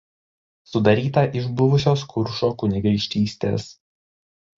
Sudaryta iš buvusios Kuršo kunigaikštystės.